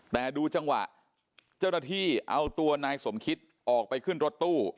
แต่ดูจังหวะเจ้าหน้าที่เอาตัวนายสมคิตออกไปขึ้นรถตู้